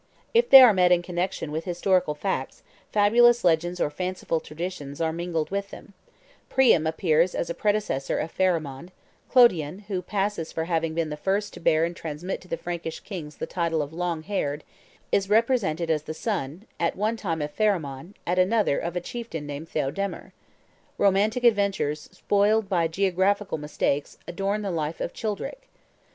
If they are met with in connection with historical facts, fabulous legends or fanciful traditions are mingled with them: Priam appears as a predecessor of Pharamond; Clodion, who passes for having been the first to bear and transmit to the Frankish kings the title of "long haired," is represented as the son, at one time of Pharamond, at another, of another chieftain named Theodemer; romantic adventures, spoiled by geographical mistakes, adorn the life of Childric.